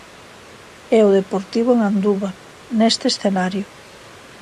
E o Deportivo en Anduva, neste escenario.